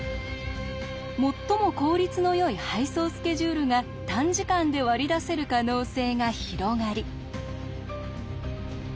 もっとも効率のよい配送スケジュールが短時間で割り出せる可能性が広がりネット